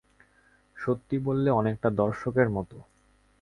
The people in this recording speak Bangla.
সত্যি বললে, অনেকটা দর্শকের মতো।